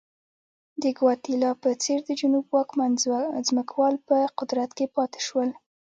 د ګواتیلا په څېر د جنوب واکمن ځمکوال په قدرت کې پاتې شول.